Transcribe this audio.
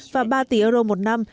và ba tỷ euro một năm